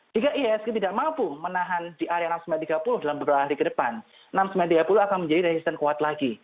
jika ihsg tidak mampu menahan di area enam ratus sembilan puluh dalam beberapa hari ke depan enam ribu sembilan ratus tiga puluh akan menjadi resisten kuat lagi